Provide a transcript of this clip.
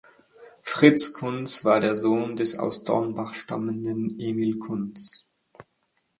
Fritz Kunz war der Sohn des aus Dornach stammenden Emil Kunz.